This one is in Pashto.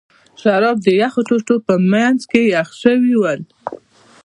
شراب د یخو ټوټو په منځ کې یخ شوي ول.